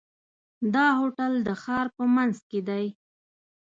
دا هوټل د ښار په منځ کې دی.